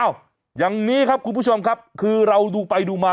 อย่างนี้ครับคุณผู้ชมครับคือเราดูไปดูมา